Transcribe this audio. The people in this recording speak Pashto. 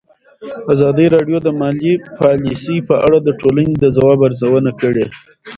ازادي راډیو د مالي پالیسي په اړه د ټولنې د ځواب ارزونه کړې.